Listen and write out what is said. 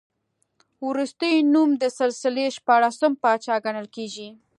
وروستی نوم د سلسلې شپاړسم پاچا ګڼل کېږي.